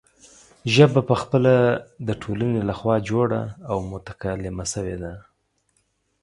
ژبه پخپله د ټولنې له خوا جوړه او متکامله شوې ده.